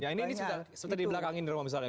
ya ini seperti di belakang indromo misalnya